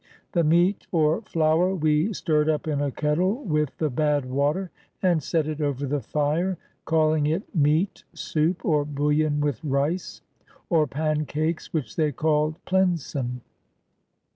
The meat or flour we stirred up in a kettle with the bad water, and set it over the fire, calling it meat soup, or bouillon with rice, or pancakes, which they called "PHnsen."